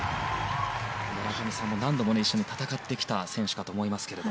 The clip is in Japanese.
村上さんも何度も一緒に戦ってきた選手だと思います。